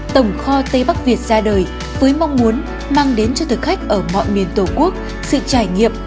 tổng kho tây bắc việt ra đời với mong muốn mang đến cho thực khách ở mọi miền tổ quốc sự trải nghiệm